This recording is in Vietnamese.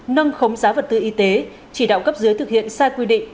nâng khống giá vật tư y tế chỉ đạo cấp dưới thực hiện sai quy định